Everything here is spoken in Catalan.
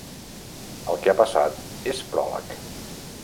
El que ha passat és pròleg